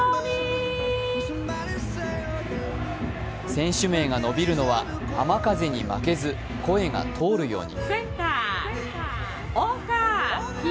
選手名が伸びるのは浜風に負けず声が通るように。